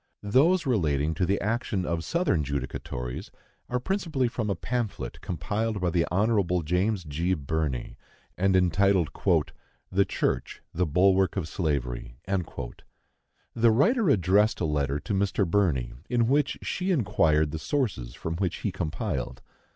Those relating to the action of Southern judicatories are principally from a pamphlet compiled by the Hon. James G. Birney, and entitled "The Church the Bulwark of Slavery." The writer addressed a letter to Mr. Birney, in which she inquired the sources from which he compiled.